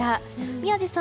宮司さん